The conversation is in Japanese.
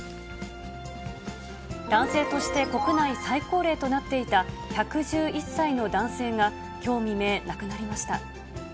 男性として国内最高齢となっていた、１１１歳の男性が、きょう未明、亡くなりました。